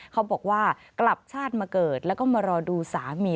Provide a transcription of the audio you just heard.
เขาบอกว่ากลับชาติมาเกิดแล้วก็มารอดูสามี